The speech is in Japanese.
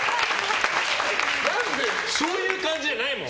そういう感じじゃないもん。